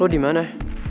lu di mana